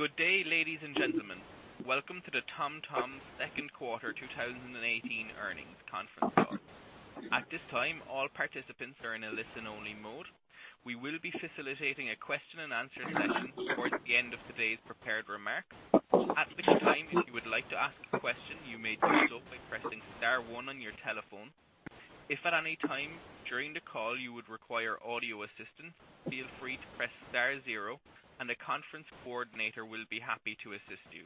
Good day, ladies and gentlemen. Welcome to the TomTom second quarter 2018 earnings conference call. At this time, all participants are in a listen-only mode. We will be facilitating a question and answer session towards the end of today's prepared remarks. At which time, if you would like to ask a question, you may do so by pressing star one on your telephone. If at any time during the call you would require audio assistance, feel free to press star zero, and the conference coordinator will be happy to assist you.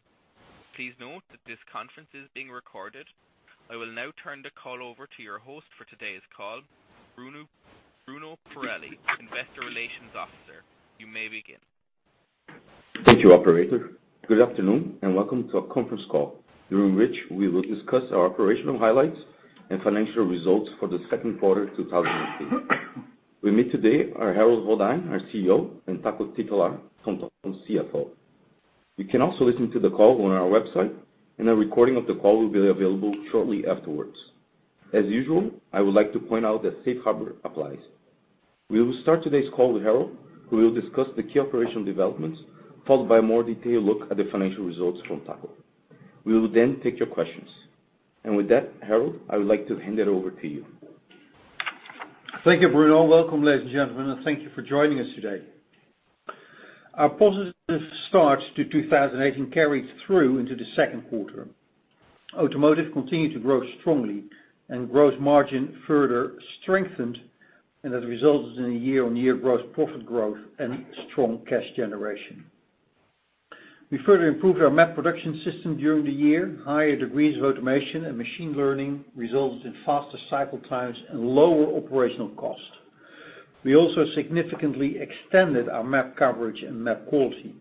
Please note that this conference is being recorded. I will now turn the call over to your host for today's call, Bruno Pirelli, investor relations officer. You may begin. Thank you, operator. Good afternoon and welcome to our conference call, during which we will discuss our operational highlights and financial results for the second quarter 2018. With me today are Harold Goddijn, our CEO, and Taco Titulaer, TomTom's CFO. You can also listen to the call on our website, and a recording of the call will be available shortly afterwards. As usual, I would like to point out that safe harbor applies. We will start today's call with Harold, who will discuss the key operational developments, followed by a more detailed look at the financial results from Taco. We will take your questions. With that, Harold, I would like to hand it over to you. Thank you, Bruno. Welcome, ladies and gentlemen, and thank you for joining us today. Our positive start to 2018 carried through into the second quarter. Automotive continued to grow strongly and gross margin further strengthened, and has resulted in a year-on-year gross profit growth and strong cash generation. We further improved our map production system during the year. Higher degrees of automation and machine learning resulted in faster cycle times and lower operational costs. We also significantly extended our map coverage and map quality.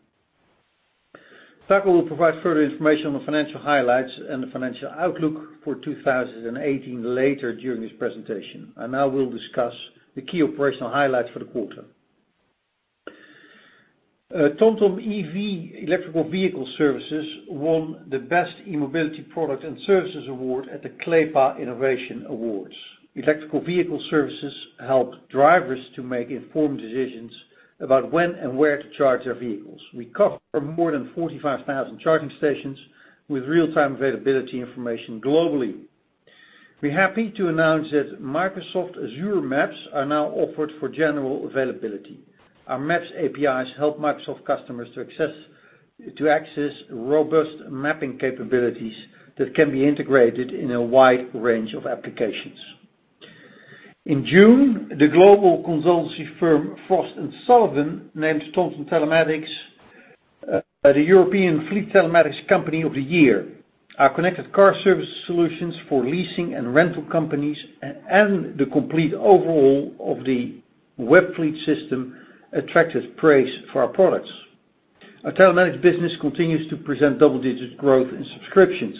Taco will provide further information on the financial highlights and the financial outlook for 2018 later during this presentation. I now will discuss the key operational highlights for the quarter. TomTom EV, Electric Vehicle Services, won the Best E-Mobility Product and Services Award at the CLEPA Innovation Awards. Electric Vehicle Services help drivers to make informed decisions about when and where to charge their vehicles. We cover more than 45,000 charging stations with real-time availability information globally. We're happy to announce that Microsoft Azure Maps are now offered for general availability. Our maps APIs help Microsoft customers to access robust mapping capabilities that can be integrated in a wide range of applications. In June, the global consultancy firm Frost & Sullivan named TomTom Telematics the European Fleet Telematics Company of the Year. Our connected car service solutions for leasing and rental companies and the complete overhaul of the Webfleet system attracted praise for our products. Our telematics business continues to present double-digit growth in subscriptions.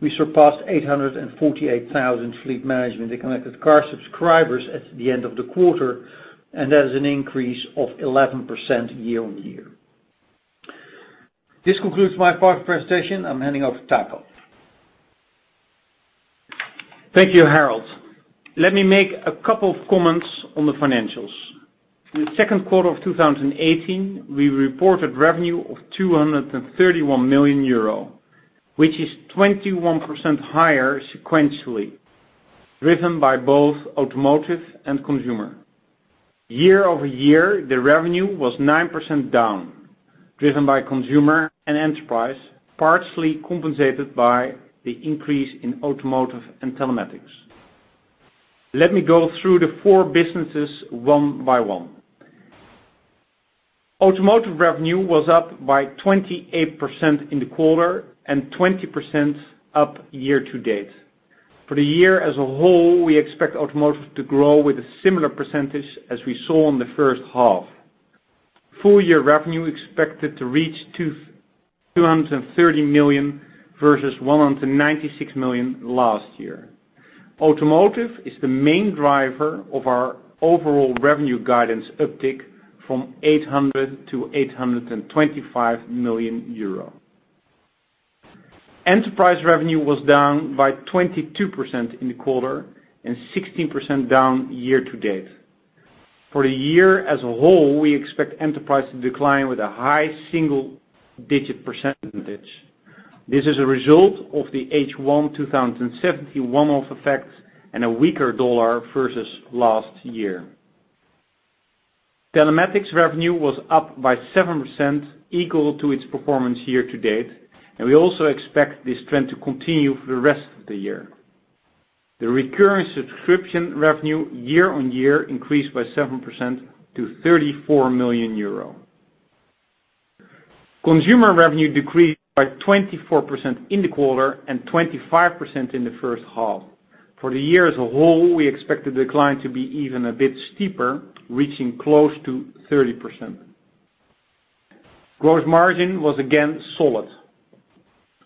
We surpassed 848,000 fleet management and connected car subscribers at the end of the quarter. That is an increase of 11% year-on-year. This concludes my part of the presentation. I'm handing over to Taco. Thank you, Harold. Let me make a couple of comments on the financials. In the second quarter of 2018, we reported revenue of 231 million euro, which is 21% higher sequentially, driven by both automotive and consumer. Year-over-year, the revenue was 9% down, driven by consumer and enterprise, partially compensated by the increase in automotive and Telematics. Let me go through the four businesses one by one. Automotive revenue was up by 28% in the quarter and 20% up year-to-date. For the year as a whole, we expect automotive to grow with a similar percentage as we saw in the first half. Full year revenue expected to reach 230 million versus 196 million last year. Automotive is the main driver of our overall revenue guidance uptick from 800 million to 825 million euro. Enterprise revenue was down by 22% in the quarter and 16% down year-to-date. For the year as a whole, we expect enterprise to decline with a high single-digit percentage. This is a result of the H1 2017 one-off effect and a weaker USD versus last year. Telematics revenue was up by 7%, equal to its performance year-to-date, and we also expect this trend to continue for the rest of the year. The recurring subscription revenue year-on-year increased by 7% to 34 million euro. Consumer revenue decreased by 24% in the quarter and 25% in the first half. For the year as a whole, we expect the decline to be even a bit steeper, reaching close to 30%. Gross margin was again solid,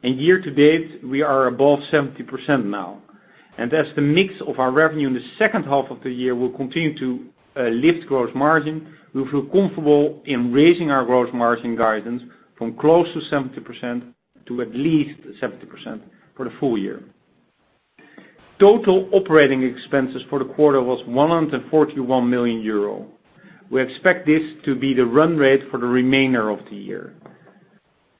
and year-to-date, we are above 70% now. As the mix of our revenue in the second half of the year will continue to lift gross margin, we feel comfortable in raising our gross margin guidance from close to 70% to at least 70% for the full year. Total operating expenses for the quarter was 141 million euro. We expect this to be the run rate for the remainder of the year.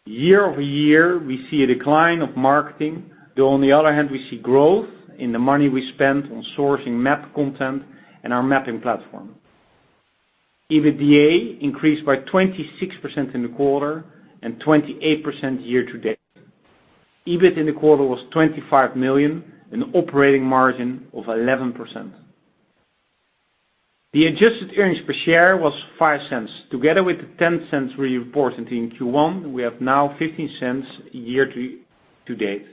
Year-over-year, we see a decline of marketing, though on the other hand, we see growth in the money we spend on sourcing map content and our mapping platform. EBITDA increased by 26% in the quarter and 28% year-to-date. EBIT in the quarter was 25 million, an operating margin of 11%. The adjusted earnings per share was 0.05, together with the 0.10 we reported in Q1, we have now 0.15 year-to-date.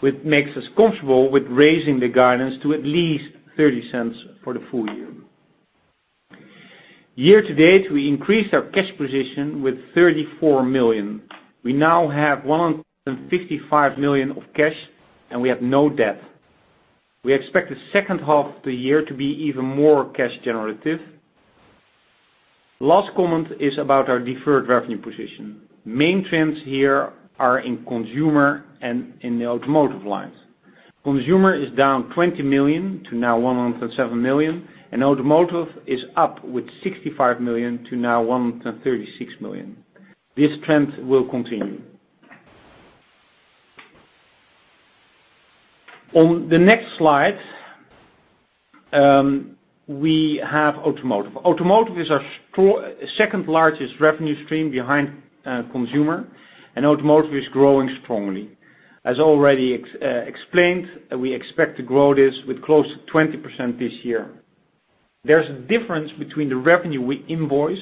Which makes us comfortable with raising the guidance to at least 0.30 for the full year. Year-to-date, we increased our cash position with 34 million. We now have 155 million of cash, and we have no debt. We expect the second half of the year to be even more cash generative. Last comment is about our deferred revenue position. Main trends here are in consumer and in the automotive lines. Consumer is down 20 million to now 107 million, and automotive is up with 65 million to now 136 million. This trend will continue. On the next slide, we have automotive. Automotive is our second largest revenue stream behind consumer, and automotive is growing strongly. As already explained, we expect to grow this with close to 20% this year. There's a difference between the revenue we invoice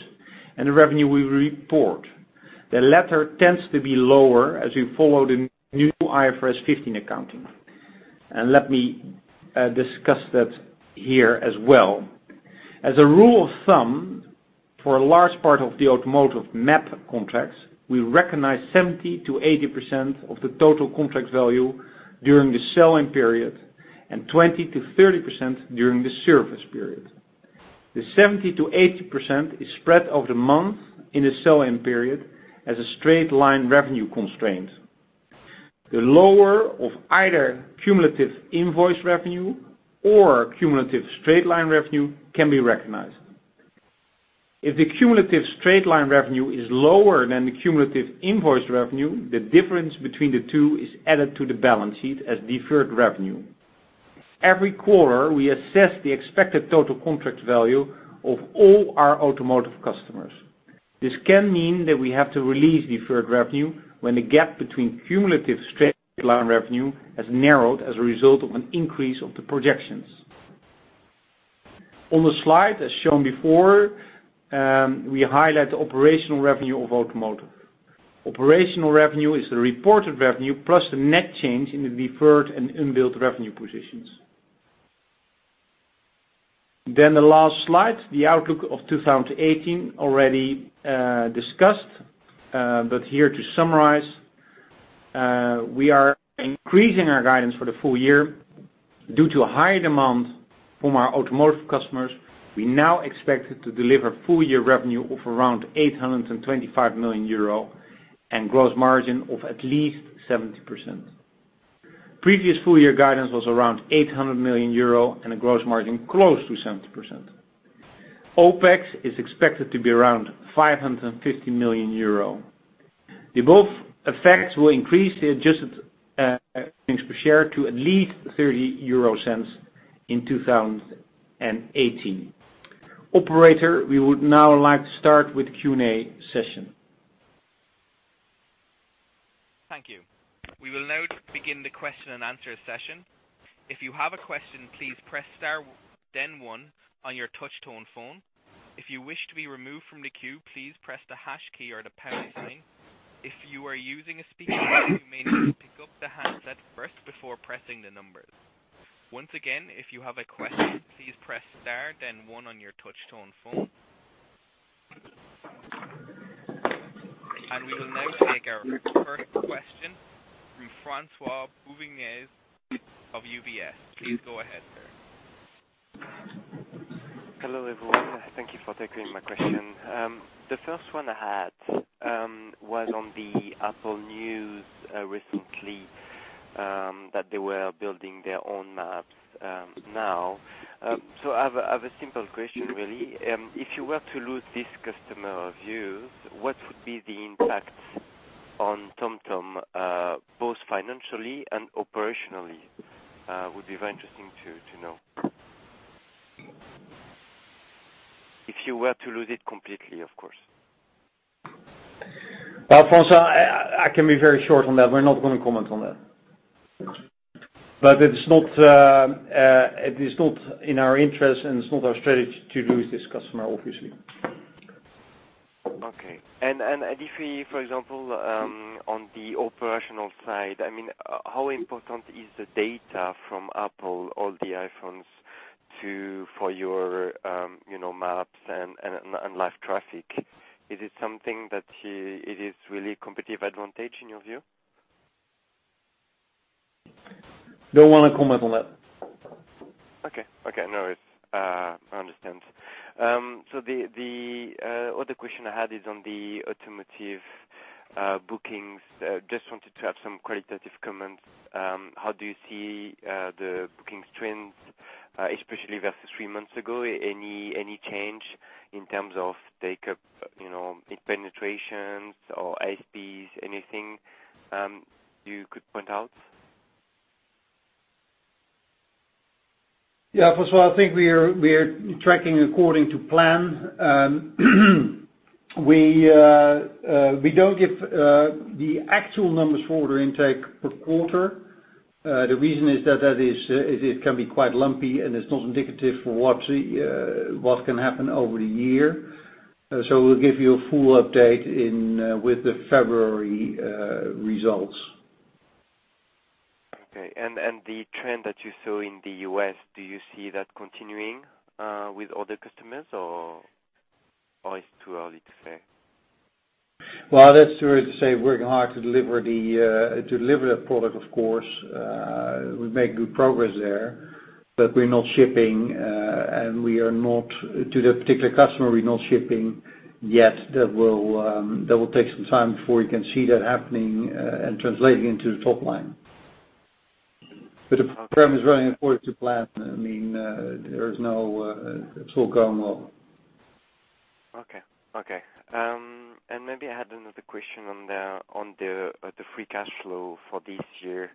and the revenue we report. The latter tends to be lower as we follow the new IFRS 15 accounting. Let me discuss that here as well. As a rule of thumb, for a large part of the automotive map contracts, we recognize 70%-80% of the total contract value during the selling period and 20%-30% during the service period. The 70%-80% is spread over the month in the selling period as a straight-line revenue constraint. The lower of either cumulative invoice revenue or cumulative straight-line revenue can be recognized. If the cumulative straight-line revenue is lower than the cumulative invoice revenue, the difference between the two is added to the balance sheet as deferred revenue. Every quarter, we assess the expected total contract value of all our automotive customers. This can mean that we have to release deferred revenue when the gap between cumulative straight-line revenue has narrowed as a result of an increase of the projections. On the slide, as shown before, we highlight the operational revenue of automotive. Operational revenue is the reported revenue plus the net change in the deferred and unbilled revenue positions. The last slide, the outlook of 2018 already discussed. But here to summarize, we are increasing our guidance for the full year. Due to a high demand from our automotive customers, we now expect to deliver full year revenue of around 825 million euro and gross margin of at least 70%. Previous full year guidance was around 800 million euro and a gross margin close to 70%. OPEX is expected to be around 550 million euro. The above effects will increase the adjusted earnings per share to at least 0.30 in 2018. Operator, we would now like to start with Q&A session. Thank you. We will now begin the question and answer session. If you have a question, please press star then one on your touch tone phone. If you wish to be removed from the queue, please press the hash key or the pound sign. If you are using a speakerphone, you may need to pick up the handset first before pressing the numbers. Once again, if you have a question, please press star then one on your touch tone phone. We will now take our first question from François-Xavier Bouvignies of UBS. Please go ahead, sir. Hello, everyone. Thank you for taking my question. The first one I had was on the Apple News recently, that they were building their own maps now. I have a simple question, really. If you were to lose this customer of yours, what would be the impact on TomTom, both financially and operationally? Would be very interesting to know. If you were to lose it completely, of course. François-Xavier, I can be very short on that. We're not going to comment on that. Okay. It is not in our interest, and it's not our strategy to lose this customer, obviously. Okay. If we, for example, on the operational side, how important is the data from Apple, all the iPhones, for your maps and live traffic? Is it something that is really competitive advantage in your view? Don't want to comment on that Okay. No, I understand. The other question I had is on the automotive bookings. Just wanted to have some qualitative comments. How do you see the booking trends, especially versus three months ago? Any change in terms of take-up, in penetrations or ASPs, anything you could point out? Yeah, François-Xavier, I think we are tracking according to plan. We don't give the actual numbers for order intake per quarter. The reason is that it can be quite lumpy, and it's not indicative for what can happen over the year. We'll give you a full update with the February results. Okay. The trend that you saw in the U.S., do you see that continuing with other customers, or it's too early to say? Well, that's too early to say. We're working hard to deliver that product, of course. We've made good progress there, but to that particular customer, we're not shipping yet. That will take some time before we can see that happening and translating into the top line. The program is running according to plan. There is no slow going on. Okay. Maybe I had another question on the free cash flow for this year.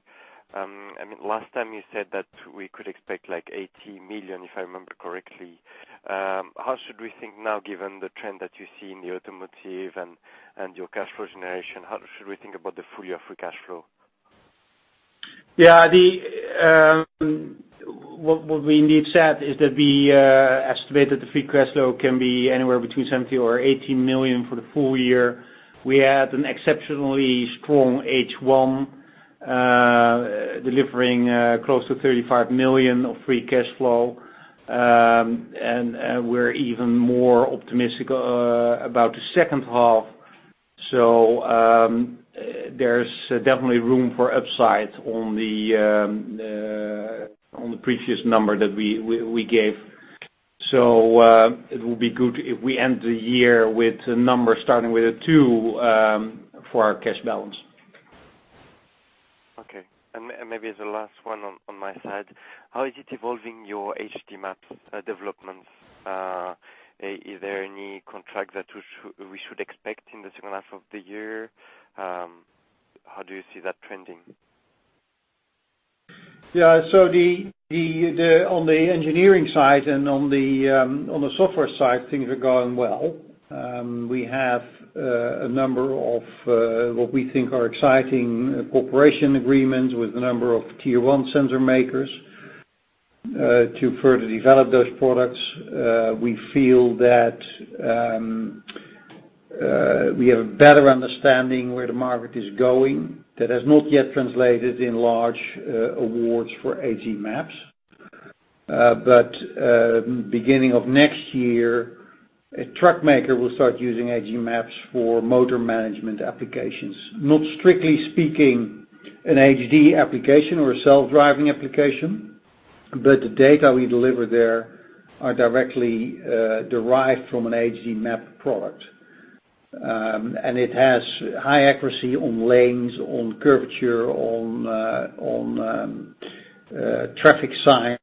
Last time you said that we could expect like 80 million, if I remember correctly. How should we think now, given the trend that you see in the automotive and your cash flow generation? How should we think about the full year free cash flow? Yeah. What we indeed said is that we estimated the free cash flow can be anywhere between 70 million or 80 million for the full year. We had an exceptionally strong H1, delivering close to 35 million of free cash flow. We're even more optimistic about the second half. There's definitely room for upside on the previous number that we gave. It will be good if we end the year with a number starting with a two for our cash balance. Okay. Maybe the last one on my side. How is it evolving your HD Map developments? Is there any contract that we should expect in the second half of the year? How do you see that trending? Yeah. On the engineering side and on the software side, things are going well. We have a number of what we think are exciting cooperation agreements with a number of tier 1 sensor makers to further develop those products. We feel that we have a better understanding where the market is going. That has not yet translated in large awards for HD Maps. Beginning of next year, a truck maker will start using HD Maps for motor management applications. Not strictly speaking an HD application or a self-driving application, but the data we deliver there are directly derived from an HD Map product. It has high accuracy on lanes, on curvature, on traffic signs,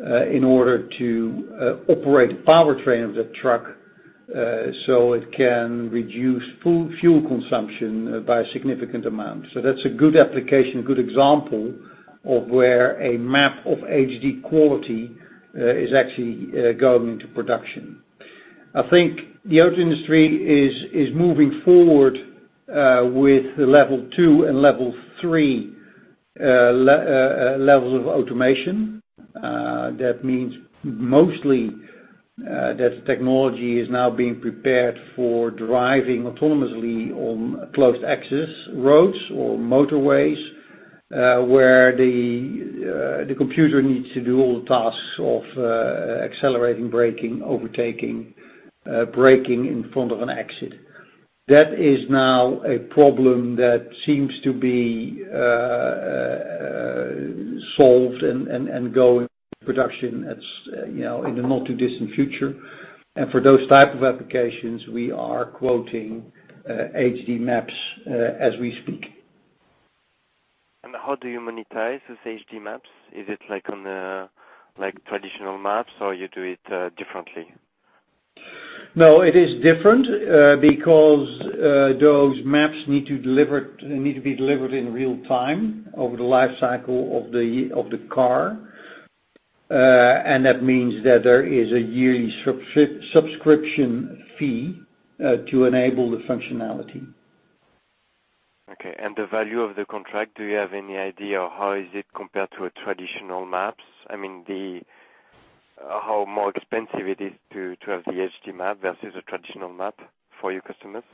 in order to operate the powertrain of that truck, so it can reduce full fuel consumption by a significant amount. That's a good application, good example of where a map of HD quality is actually going into production. I think the auto industry is moving forward with level 2 and level 3 levels of automation. That means mostly that the technology is now being prepared for driving autonomously on closed access roads or motorways, where the computer needs to do all the tasks of accelerating, braking, overtaking, braking in front of an exit. That is now a problem that seems to be solved and going into production. It's in the not too distant future. For those type of applications, we are quoting HD Maps as we speak. How do you monetize these HD Maps? Is it like traditional maps, or you do it differently? No, it is different, because those maps need to be delivered in real time over the life cycle of the car. That means that there is a yearly subscription fee to enable the functionality. Okay. The value of the contract, do you have any idea how is it compared to a traditional maps? How more expensive it is to have the HD Map versus a traditional map for your customers?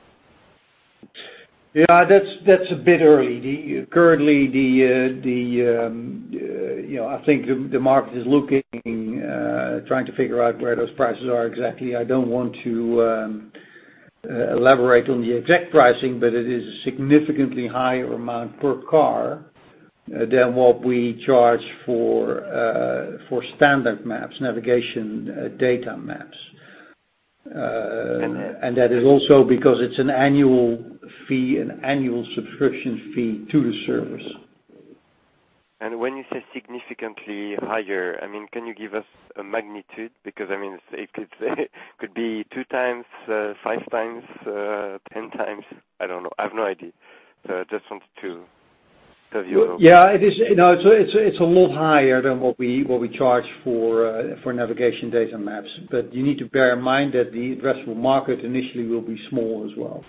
Yeah. That's a bit early. Currently, I think the market is looking, trying to figure out where those prices are exactly. I don't want to elaborate on the exact pricing, but it is a significantly higher amount per car than what we charge for standard maps, navigation data maps. And that- That is also because it's an annual fee, an annual subscription fee to the service. When you say significantly higher, can you give us a magnitude? Because it could be two times, five times, 10 times. I don't know. I have no idea. I just wanted to have. Yeah, it's a lot higher than what we charge for navigation data maps. You need to bear in mind that the addressable market initially will be small as well.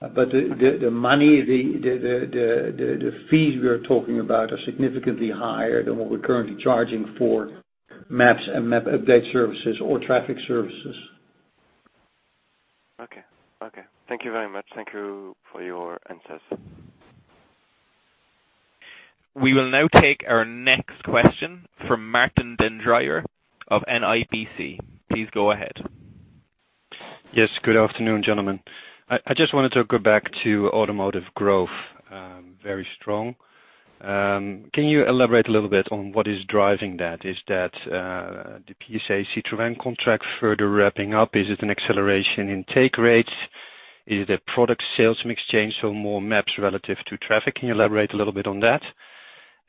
The money, the fees we are talking about are significantly higher than what we're currently charging for maps and map update services or traffic services. Okay. Thank you very much. Thank you for your answers. We will now take our next question from Martijn den Drijver of NIBC. Please go ahead. Yes, good afternoon, gentlemen. I just wanted to go back to automotive growth. Very strong. Can you elaborate a little bit on what is driving that? Is that the PSA Citroën contract further ramping up? Is it an acceleration in take rates? Is it a product sales mix change, so more maps relative to traffic? Can you elaborate a little bit on that?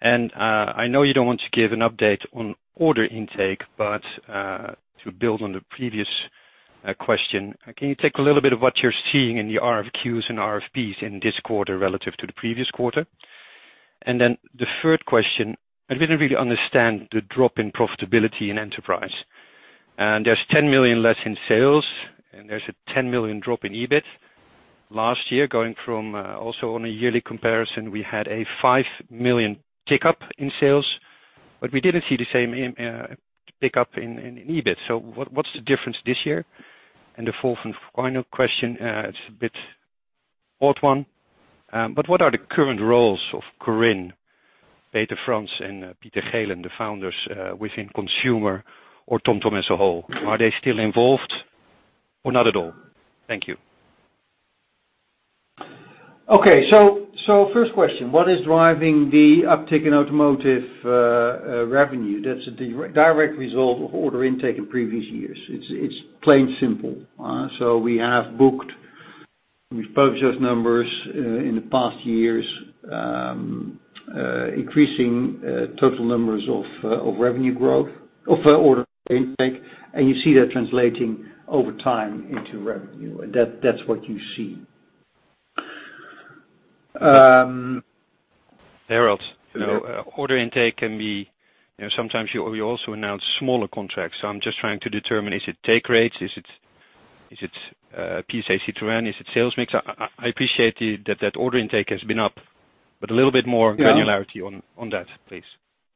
I know you don't want to give an update on order intake, but, to build on the previous question, can you take a little bit of what you're seeing in the RFQs and RFPs in this quarter relative to the previous quarter? The third question, I didn't really understand the drop in profitability in enterprise. There's 10 million less in sales, and there's a 10 million drop in EBIT last year, going from, also on a yearly comparison, we had a 5 million tick up in sales, but we didn't see the same tick up in EBIT. What's the difference this year? The fourth and final question, it's a bit old one. What are the current roles of Corinne, Peter-Frans, and Pieter Geelen, the founders, within consumer or TomTom as a whole? Are they still involved or not at all? Thank you. Okay. First question, what is driving the uptick in automotive revenue? That's a direct result of order intake in previous years. It's plain simple. We have booked, we've published those numbers in the past years, increasing total numbers of revenue growth, of order intake, and you see that translating over time into revenue. That's what you see. Harold, sometimes you also announce smaller contracts. I'm just trying to determine, is it take rates? Is it PSA Citroën? Is it sales mix? I appreciate that that order intake has been up, but a little bit more granularity on that, please.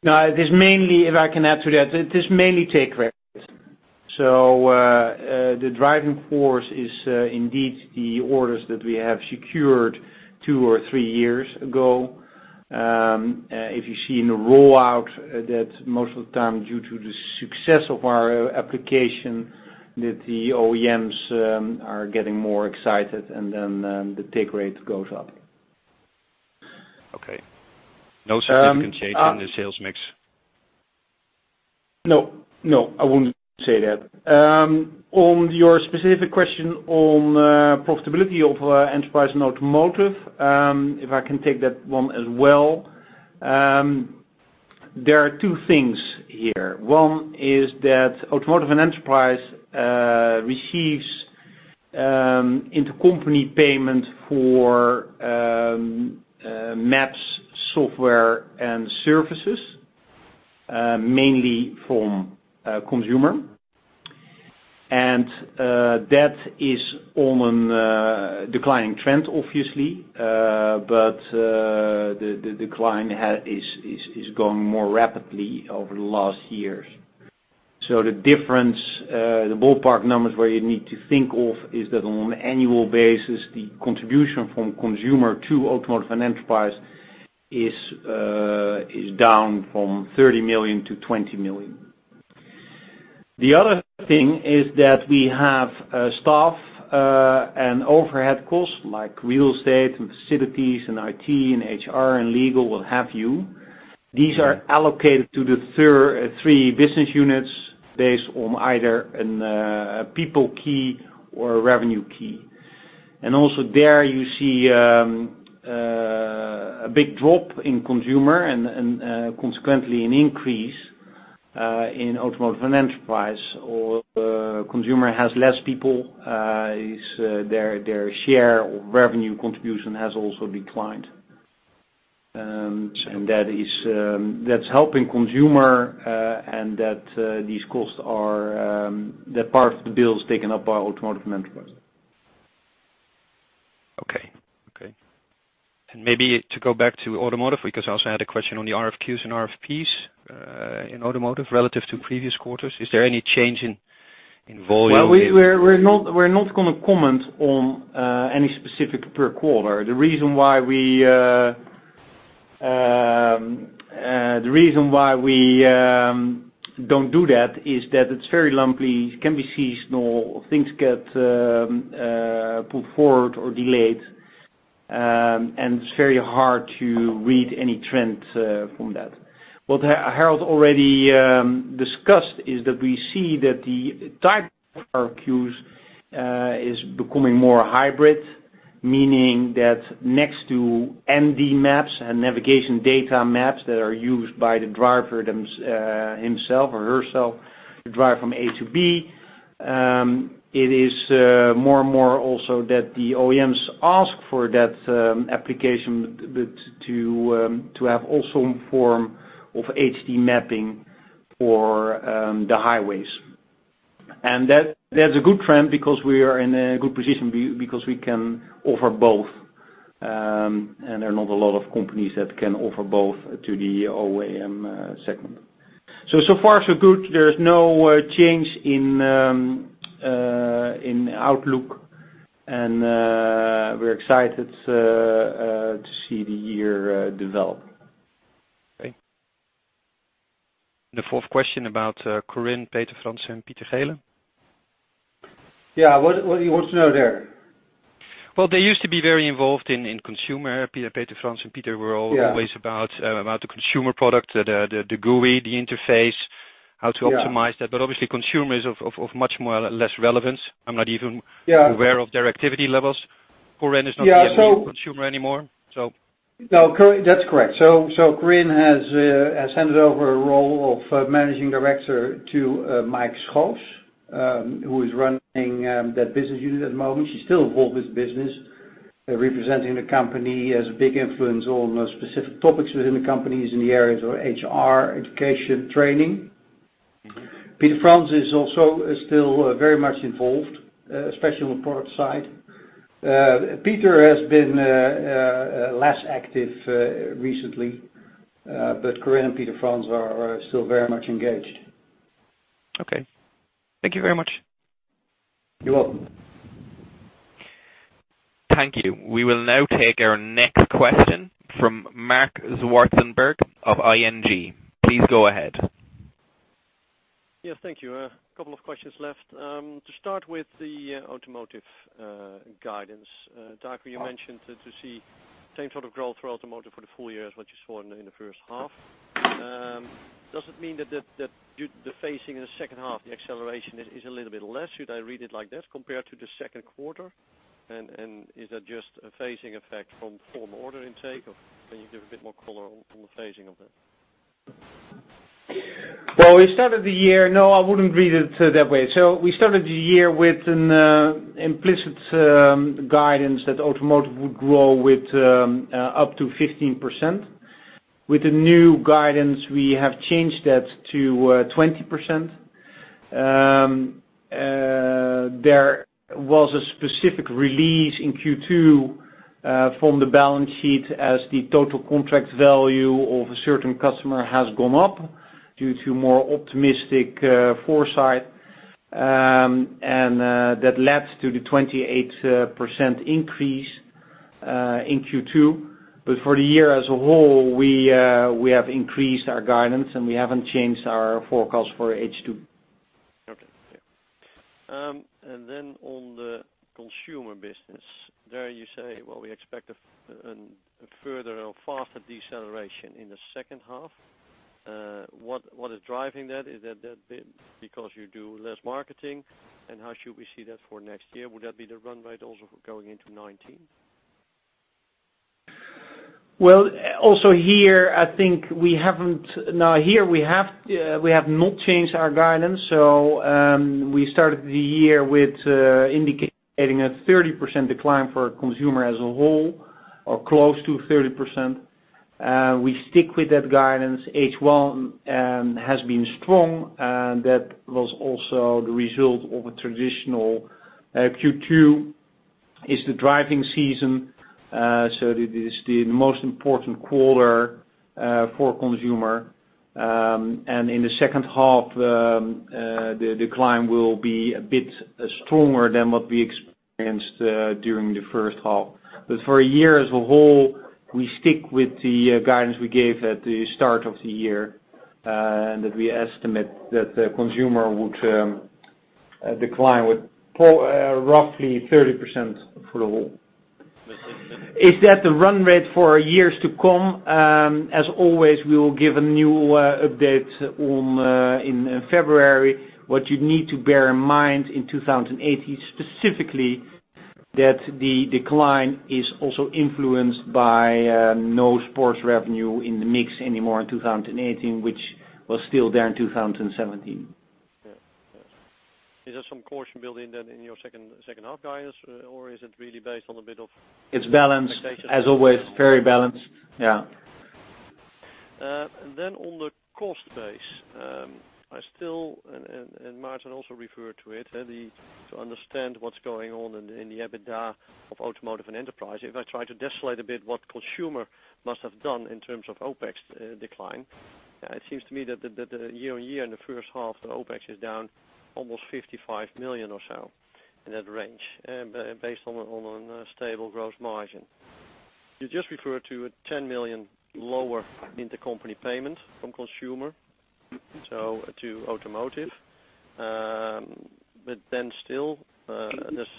No, if I can add to that, it is mainly take rates. The driving force is indeed the orders that we have secured two or three years ago. If you see in the rollout that most of the time, due to the success of our application, that the OEMs are getting more excited and then the take rate goes up. Okay. No significant change in the sales mix? No, I wouldn't say that. On your specific question on profitability of enterprise and automotive, if I can take that one as well. There are two things here. One is that automotive and enterprise receives intercompany payment for maps, software, and services, mainly from consumer. That is on a declining trend, obviously. The decline is going more rapidly over the last years. The difference, the ballpark numbers where you need to think of is that on an annual basis, the contribution from consumer to automotive and enterprise is down from 30 million to 20 million. The other thing is that we have staff and overhead costs, like real estate and facilities and IT and HR and legal, what have you. These are allocated to the three business units based on either a people key or a revenue key. Also there you see a big drop in consumer and consequently an increase in automotive and enterprise. Consumer has less people, their share of revenue contribution has also declined. That's helping consumer, that part of the bill is taken up by automotive and enterprise. Okay. Maybe to go back to automotive, because I also had a question on the RFQs and RFPs in automotive relative to previous quarters. Is there any change in volume? Well, we're not going to comment on any specific per quarter. The reason why we don't do that is that it's very lumpy, it can be seasonal, things get pulled forward or delayed, and it's very hard to read any trends from that. What Harold already discussed is that we see that the type of RFQs is becoming more hybrid, meaning that next to NDS maps and navigation data maps that are used by the driver himself or herself to drive from A to B. It is more and more also that the OEMs ask for that application to have also a form of HD mapping for the highways. That's a good trend because we are in a good position because we can offer both, and there are not a lot of companies that can offer both to the OEM segment. So far so good. There is no change in outlook, and we're excited to see the year develop. Okay. The fourth question about Corinne, Peter-Frans and Pieter Geelen. Yeah. What do you want to know there? Well, they used to be very involved in consumer. Peter-Frans and Pieter were always about the consumer product, the GUI, the interface, how to optimize that. Obviously consumer is of much more less relevance. I'm not even aware of their activity levels. Corinne is not in consumer anymore. That's correct. Corinne has handed over her role of managing director to Mike Schoofs, who is running that business unit at the moment. She's still involved with the business, representing the company, has a big influence on specific topics within the company in the areas of HR, education, training. Peter-Frans is also still very much involved, especially on the product side. Pieter has been less active recently. Corinne and Peter-Frans are still very much engaged. Okay. Thank you very much. You're welcome. Thank you. We will now take our next question from Marc Zwartsenburg of ING. Please go ahead. Yes, thank you. A couple of questions left. To start with the automotive guidance. Taco, you mentioned that you see the same sort of growth for automotive for the full year as what you saw in the first half. Does it mean that the phasing in the second half, the acceleration is a little bit less? Should I read it like that compared to the second quarter? Is that just a phasing effect from order intake, or can you give a bit more color on the phasing of that? No, I wouldn't read it that way. We started the year with an implicit guidance that automotive would grow with up to 15%. With the new guidance, we have changed that to 20%. There was a specific release in Q2 from the balance sheet as the total contract value of a certain customer has gone up due to more optimistic foresight. That led to the 28% increase in Q2. For the year as a whole, we have increased our guidance, and we haven't changed our forecast for H2. Okay. On the consumer business, there you say, well, we expect a further or faster deceleration in the second half. What is driving that? Is that because you do less marketing? How should we see that for next year? Would that be the run rate also going into 2019? Here we have not changed our guidance. We started the year with indicating a 30% decline for consumer as a whole or close to 30%. We stick with that guidance. H1 has been strong, and that was also the result of a traditional Q2 is the driving season, so that is the most important quarter for consumer. In the second half, the decline will be a bit stronger than what we experienced during the first half. For a year as a whole, we stick with the guidance we gave at the start of the year, and that we estimate that the consumer decline would pull roughly 30% for the whole. Is that the run rate for years to come? As always, we will give a new update in February. What you need to bear in mind in 2018, specifically, that the decline is also influenced by no sports revenue in the mix anymore in 2018, which was still there in 2017. Yes. Is there some caution built in then in your second half guidance, or is it really based on? It's balanced. As always, very balanced. Yeah. On the cost base, Martijn also referred to it, to understand what's going on in the EBITDA of automotive and enterprise. If I try to isolate a bit what consumer must have done in terms of OpEx decline, it seems to me that the year-on-year in the first half, the OpEx is down almost 55 million or so in that range, based on a stable growth margin. You just referred to a 10 million lower intercompany payment from consumer, so to automotive. Still, there's.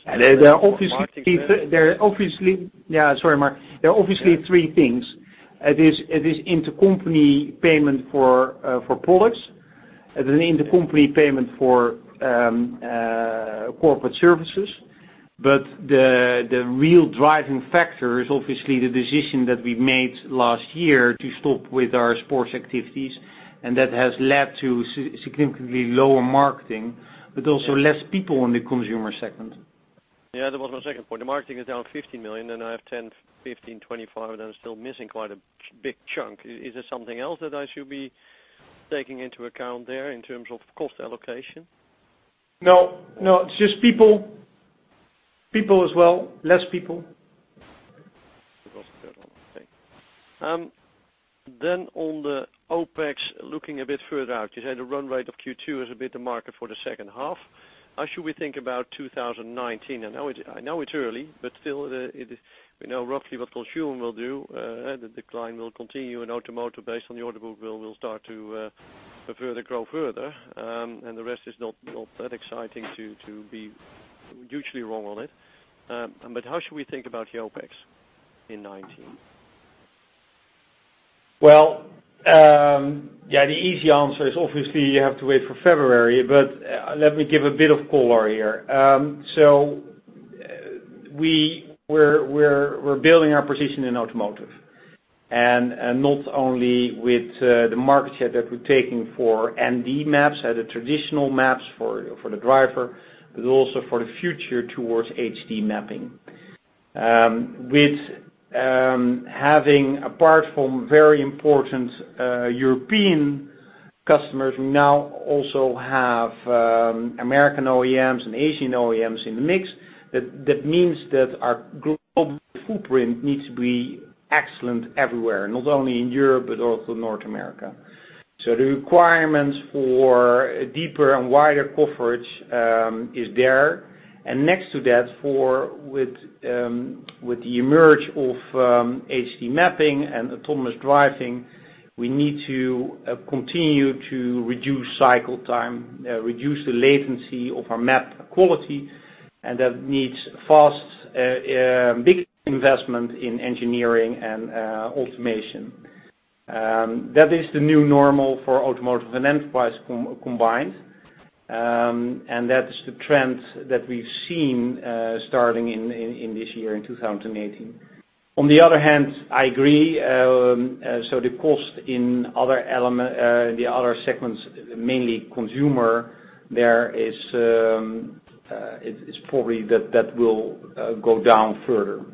Sorry, Marc. There are obviously three things. It is intercompany payment for products. There's an intercompany payment for corporate services. The real driving factor is obviously the decision that we made last year to stop with our sports activities, and that has led to significantly lower marketing, but also less people in the consumer segment. Yeah, that was my second point. The marketing is down 15 million, then I have 10, 15, 25, and I'm still missing quite a big chunk. Is there something else that I should be taking into account there in terms of cost allocation? No. It's just people as well, less people. That was the third one. Thank you. On the OPEX, looking a bit further out, you said the run rate of Q2 is a bit the market for the second half. How should we think about 2019? I know it's early, but still, we know roughly what consumer will do. The decline will continue in automotive based on the order book build will start to further grow further. The rest is not that exciting to be hugely wrong on it. How should we think about your OPEX in 2019? The easy answer is obviously you have to wait for February, but let me give a bit of color here. We're building our position in automotive, and not only with the market share that we're taking for NDS maps, the traditional maps for the driver, but also for the future towards HD mapping. With having, apart from very important European customers, we now also have American OEMs and Asian OEMs in the mix. That means that our global footprint needs to be excellent everywhere, not only in Europe but also North America. The requirements for deeper and wider coverage is there. Next to that, with the emerge of HD mapping and autonomous driving, we need to continue to reduce cycle time, reduce the latency of our map quality, and that needs fast, big investment in engineering and automation. That is the new normal for automotive and enterprise combined. That's the trend that we've seen starting in this year, in 2018. On the other hand, I agree. The cost in the other segments, mainly consumer, it's probably that that will go down further.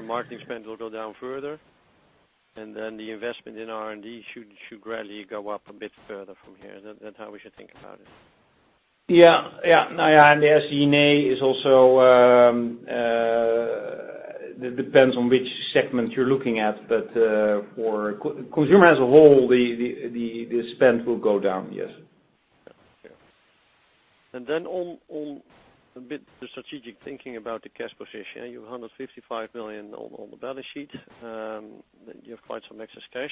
Marketing spend will go down further. The investment in R&D should gradually go up a bit further from here. Is that how we should think about it? The SG&A is also, it depends on which segment you're looking at, but for consumer as a whole, the spend will go down, yes. On a bit the strategic thinking about the cash position. You have 155 million on the balance sheet. You have quite some excess cash,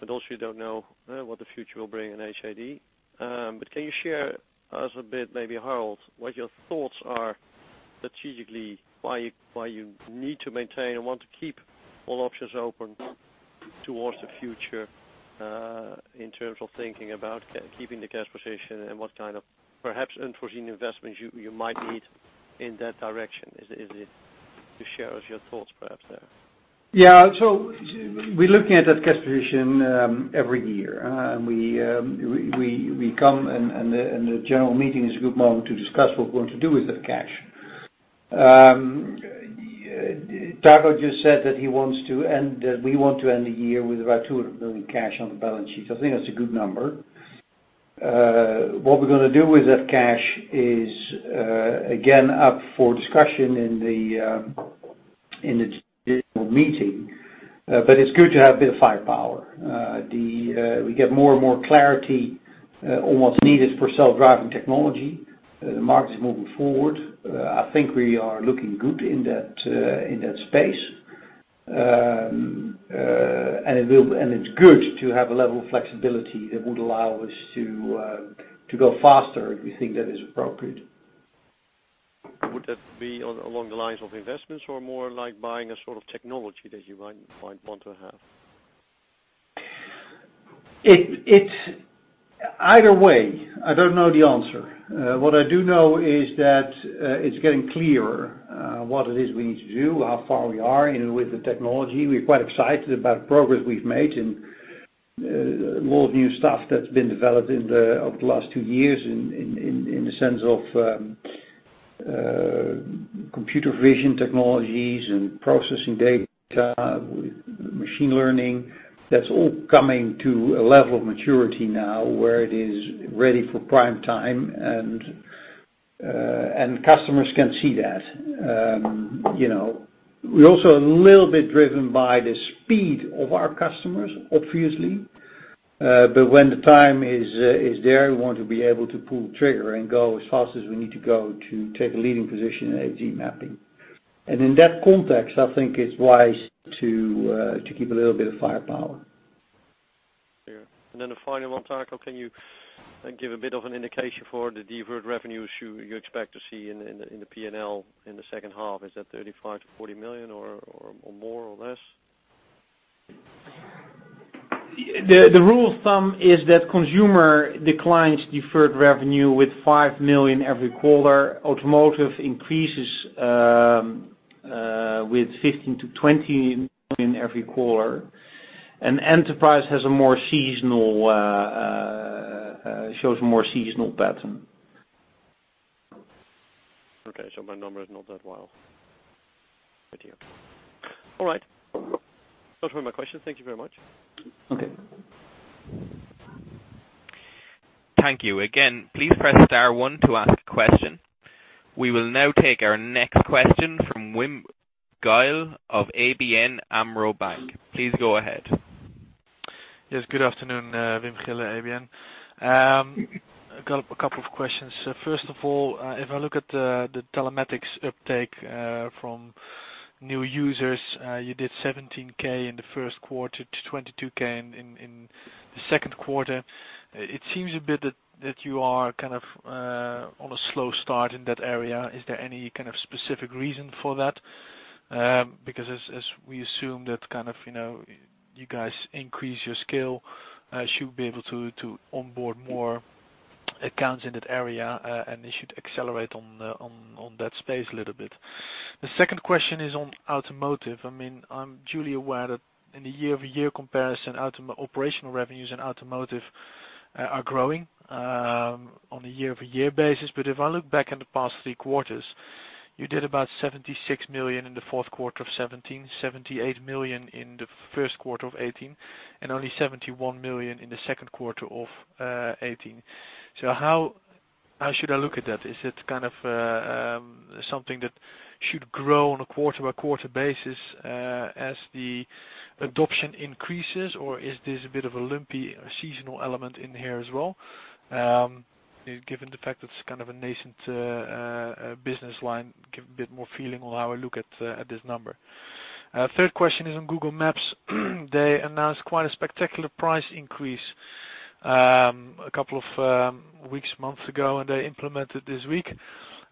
but also you don't know what the future will bring in HD. Can you share us a bit, maybe Harold, what your thoughts are strategically, why you need to maintain and want to keep all options open towards the future, in terms of thinking about keeping the cash position and what kind of perhaps unforeseen investments you might need in that direction? You share us your thoughts, perhaps there. We're looking at that cash position every year. We come, and the general meeting is a good moment to discuss what we're going to do with that cash. Taco just said that we want to end the year with about 200 million cash on the balance sheet. I think that's a good number. What we're going to do with that cash is, again, up for discussion in the general meeting. It's good to have a bit of firepower. We get more and more clarity on what's needed for self-driving technology. The market is moving forward. I think we are looking good in that space. It's good to have a level of flexibility that would allow us to go faster if we think that is appropriate. Would that be along the lines of investments or more like buying a sort of technology that you might want to have? It's either way. I don't know the answer. What I do know is that it's getting clearer what it is we need to do, how far we are with the technology. We're quite excited about the progress we've made and all the new stuff that's been developed over the last two years in the sense of computer vision technologies and processing data, machine learning. That's all coming to a level of maturity now where it is ready for prime time, and customers can see that. We're also a little bit driven by the speed of our customers, obviously. When the time is there, we want to be able to pull the trigger and go as fast as we need to go to take a leading position in HD mapping. In that context, I think it's wise to keep a little bit of firepower. Clear. Then the final one, Taco, can you give a bit of an indication for the deferred revenues you expect to see in the P&L in the second half? Is that 35 million-40 million or more or less? The rule of thumb is that consumer declines deferred revenue with 5 million every quarter. Automotive increases with 15 million-20 million every quarter. Enterprise shows a more seasonal pattern. Okay. My number is not that wild. All right. Those were my questions. Thank you very much. Okay. Thank you. Again, please press star one to ask a question. We will now take our next question from Wim Gille of ABN AMRO Bank. Please go ahead. Yes, good afternoon. Wim Gille, ABN. A couple of questions. First of all, if I look at the Telematics uptake from new users, you did 17,000 in the first quarter to 22,000 in the second quarter. It seems a bit that you are on a slow start in that area. Is there any kind of specific reason for that? Because as we assume that you guys increase your scale, should be able to onboard more accounts in that area, and it should accelerate on that space a little bit. The second question is on automotive. I'm duly aware that in the year-over-year comparison, operational revenues in automotive are growing on a year-over-year basis. If I look back in the past three quarters, you did about 76 million in the fourth quarter of 2017, 78 million in the first quarter of 2018, and only 71 million in the second quarter of 2018. How should I look at that? Is it something that should grow on a quarter-by-quarter basis as the adoption increases, or is this a bit of a lumpy seasonal element in here as well? Given the fact that it's a nascent business line, give a bit more feeling on how I look at this number. Third question is on Google Maps. They announced quite a spectacular price increase, a couple of weeks, months ago, and they implemented this week.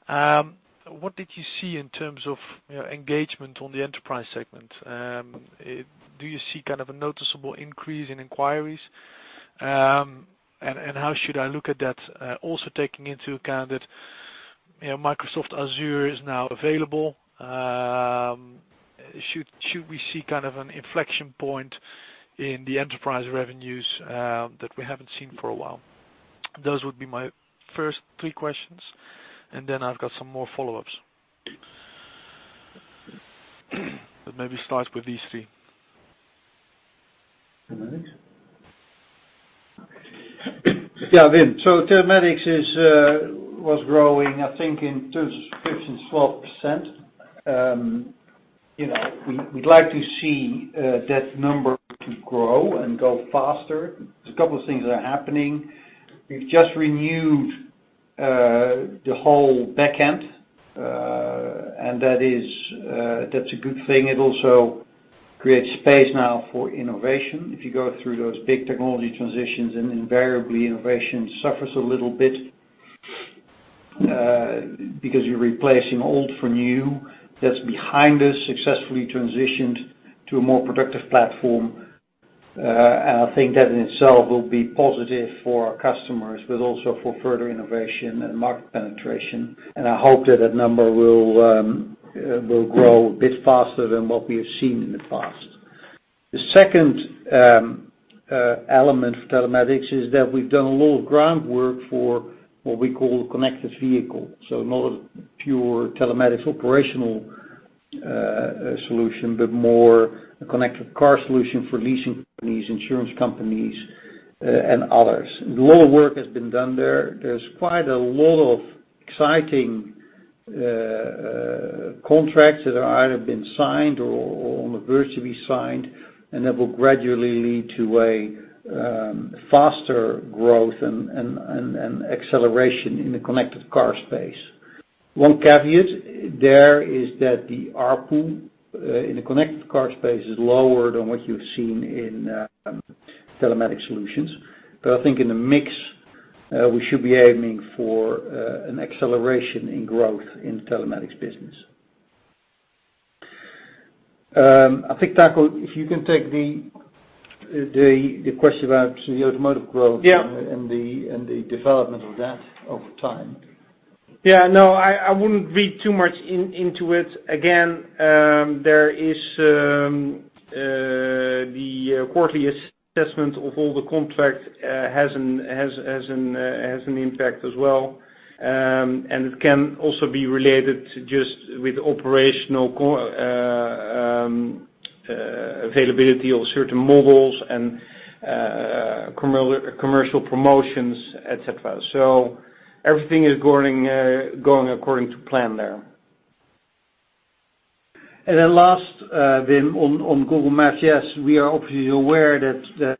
What did you see in terms of engagement on the Enterprise segment? Do you see a noticeable increase in inquiries? How should I look at that, also taking into account that Microsoft Azure is now available. Should we see an inflection point in the Enterprise revenues that we haven't seen for a while? Those would be my first three questions, then I've got some more follow-ups. Maybe start with these three. Telematics. Wim. Telematics was growing, I think in terms of 12%. We'd like to see that number to grow and go faster. There's a couple of things that are happening. We've just renewed the whole back end, and that's a good thing. It also creates space now for innovation. If you go through those big technology transitions, invariably innovation suffers a little bit because you're replacing old for new. That's behind us, successfully transitioned to a more productive platform. I think that in itself will be positive for our customers, but also for further innovation and market penetration. I hope that that number will grow a bit faster than what we have seen in the past. The second element of Telematics is that we've done a lot of groundwork for what we call connected vehicle. Not a pure Telematics operational solution, but more a connected car solution for leasing companies, insurance companies, and others. A lot of work has been done there. There's quite a lot of exciting contracts that have either been signed or on the verge to be signed, and that will gradually lead to a faster growth and acceleration in the connected car space. One caveat there is that the ARPU in the connected car space is lower than what you've seen in Telematics solutions. I think in the mix, we should be aiming for an acceleration in growth in the Telematics business. I think, Taco, if you can take the question about the automotive growth. The development of that over time. Yeah, no, I wouldn't read too much into it. Again, there is the quarterly assessment of all the contracts has an impact as well. It can also be related to just with operational availability of certain models and commercial promotions, et cetera. Everything is going according to plan there. Last, Wim, on Google Maps, yes, we are obviously aware that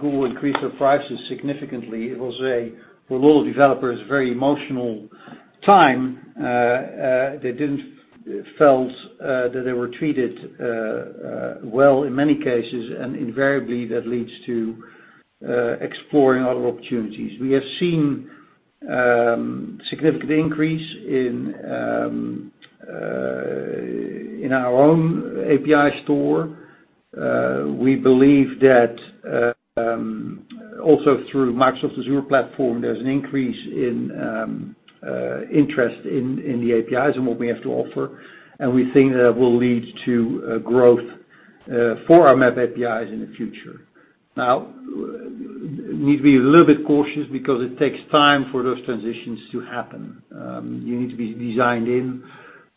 Google increased their prices significantly. It was, for a lot of developers, a very emotional time. They didn't feel that they were treated well in many cases, and invariably that leads to exploring other opportunities. We have seen significant increase in our own API store. We believe that also through Microsoft Azure platform, there's an increase in interest in the APIs and what we have to offer, and we think that will lead to growth for our map APIs in the future. Need to be a little bit cautious because it takes time for those transitions to happen. You need to be designed in,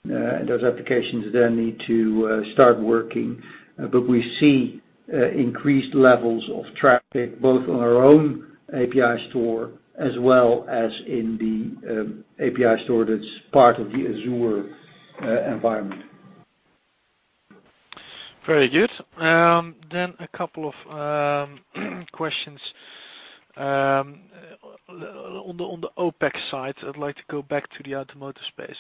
those applications then need to start working. We see increased levels of traffic, both on our own API store as well as in the API store that's part of the Azure environment. Very good. A couple of questions. On the OpEx side, I'd like to go back to the automotive space.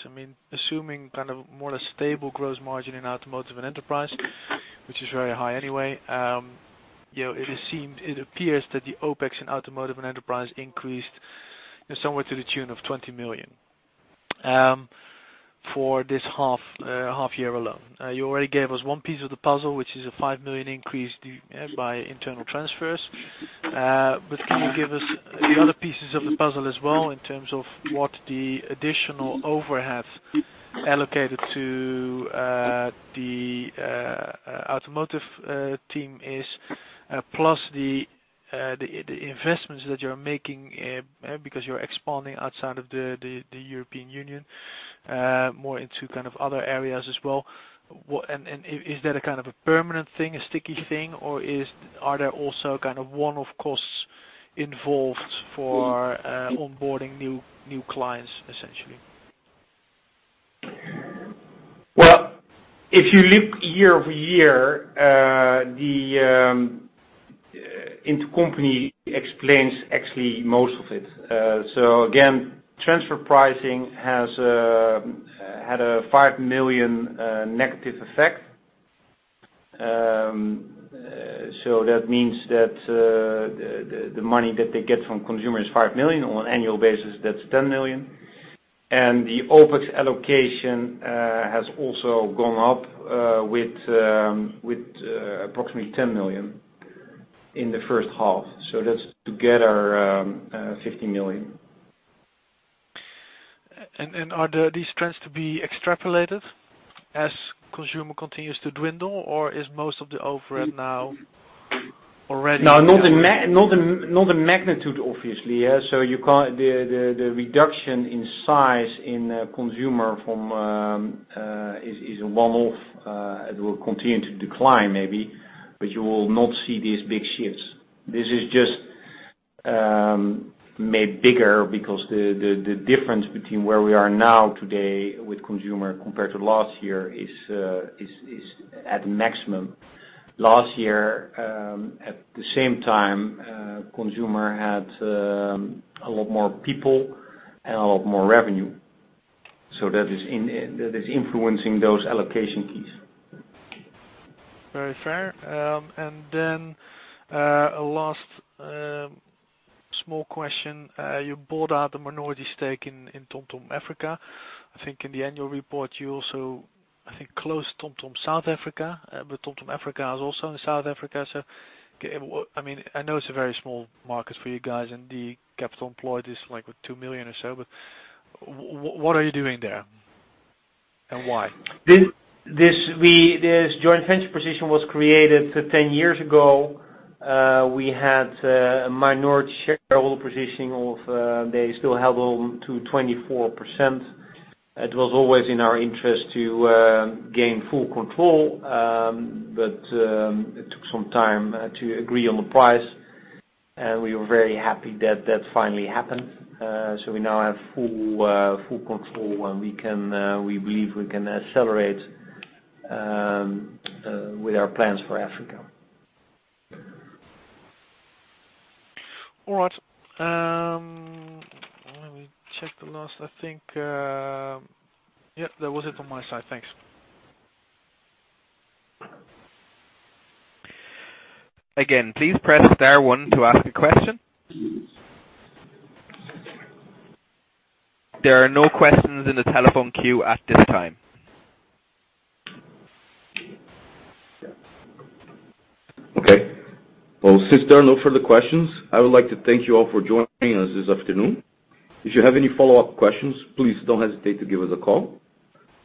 Assuming more or less stable growth margin in automotive and enterprise, which is very high anyway, it appears that the OpEx in automotive and enterprise increased somewhere to the tune of 20 million for this half year alone. You already gave us one piece of the puzzle, which is a 5 million increase by internal transfers. Can you give us the other pieces of the puzzle as well, in terms of what the additional overhead allocated to the automotive team is, plus the investments that you're making, because you're expanding outside of the European Union, more into other areas as well. Is that a kind of a permanent thing, a sticky thing, or are there also one-off costs involved for onboarding new clients, essentially? Well, if you look year-over-year, the intercompany explains actually most of it. Again, transfer pricing had a 5 million negative effect. That means that the money that they get from consumer is 5 million. On an annual basis, that's 10 million. The OpEx allocation has also gone up with approximately 10 million in the first half. That's together, 15 million. Are these trends to be extrapolated as consumer continues to dwindle, or is most of the overhead now already- No, not the magnitude, obviously. The reduction in size in consumer is a one-off. It will continue to decline maybe, but you will not see these big shifts. This is just made bigger because the difference between where we are now today with consumer compared to last year is at maximum. Last year, at the same time, consumer had a lot more people and a lot more revenue. That is influencing those allocation keys. Very fair. Then, a last small question. You bought out a minority stake in TomTom Africa. I think in the annual report, you also, I think, closed TomTom South Africa. TomTom Africa is also in South Africa. I know it's a very small market for you guys, and the capital employed is like what, 2 million or so, but what are you doing there? Why? This joint venture position was created 10 years ago. We had a minority shareholder position of, they still held on to 24%. It was always in our interest to gain full control, it took some time to agree on the price, we were very happy that that finally happened. We now have full control, we believe we can accelerate with our plans for Africa. All right. Let me check the last, I think Yeah, that was it from my side. Thanks. Again, please press star one to ask a question. There are no questions in the telephone queue at this time. Okay. Well, since there are no further questions, I would like to thank you all for joining us this afternoon. If you have any follow-up questions, please don't hesitate to give us a call.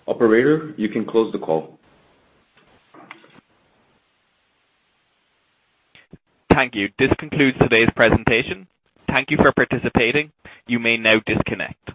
Operator, you can close the call. Thank you. This concludes today's presentation. Thank you for participating. You may now disconnect.